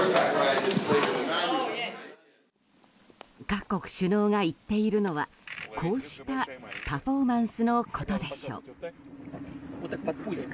各国首脳が言っているのはこうしたパフォーマンスのことでしょうか。